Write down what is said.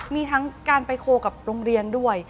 มีทั้งการไปโคลกับโรงเรียนด้วย